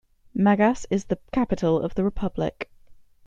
Magas is the capital of the republic.